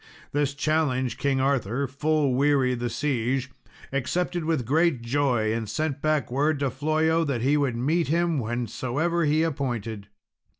This challenge, King Arthur, full weary the siege, accepted with great joy, and sent back word to Flollo that he would meet him whensoever he appointed.